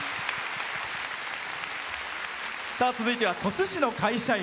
続いては鳥栖市の会社員。